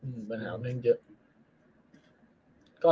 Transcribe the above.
มีปัญหาเยอะ